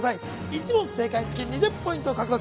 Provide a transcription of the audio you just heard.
１問正解につき２０ポイント獲得。